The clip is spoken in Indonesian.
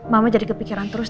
mama jadi kepikiran terus